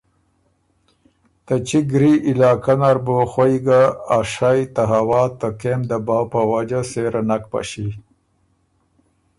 ته چِګ ګری علاقۀ نر بُو خوَئ ګه ا شئ ته هوا ته کېم دباؤ په وجه سېره نک پݭی